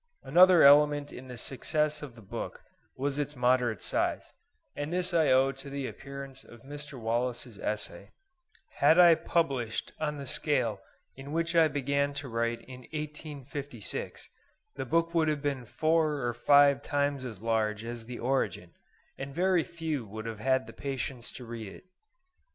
Another element in the success of the book was its moderate size; and this I owe to the appearance of Mr. Wallace's essay; had I published on the scale in which I began to write in 1856, the book would have been four or five times as large as the 'Origin,' and very few would have had the patience to read it.